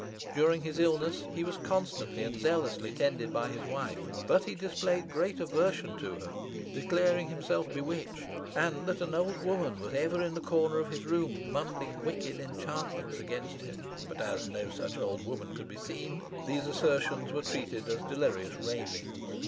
During his illness he was constantly and zealously tended by his wife, but he displayed great aversion to her, declaring himself bewitched, and that an old woman was ever in the corner of his room mumbling wicked enchantments against him. But as no such old woman could be seen, these assertions were treated as delirious ravings.